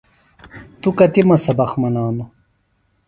توۡ کتِمہ سبق منانوۡ؟